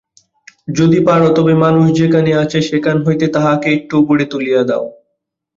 যদি পার তবে মানুষ যেখানে আছে, সেখান হইতে তাহাকে একটু উপরে তুলিয়া দাও।